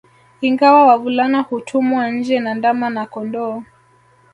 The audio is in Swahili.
Ingawa wavulana hutumwa nje na ndama na kondooo